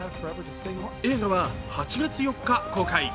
映画は８月４日公開。